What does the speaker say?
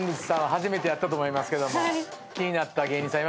初めてやったと思いますけども気になった芸人さんいましたか？